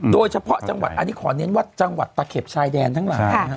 โดยเฉพาะจังหวัดอันนี้ขอเน้นว่าจังหวัดตะเข็บชายแดนทั้งหลาย